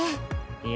いや。